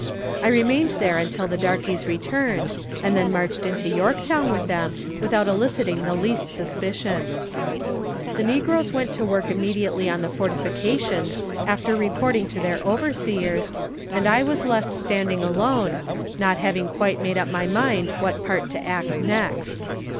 I remained there until the darkies returned, and then marched into Yorktown with them without eliciting the least suspicion. The negroes went to work immediately on the fortifications after reporting to their overseers, and I was left standing alone, not having quite made up my mind what part to act next.